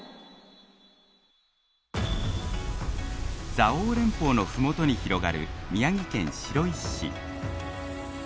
蔵王連峰の麓に広がる宮城県白石市。